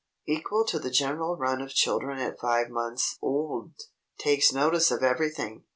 Equal to the general run of children at five months o ld! Takes notice of everything.